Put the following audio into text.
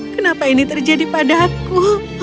kenapa ini terjadi padaku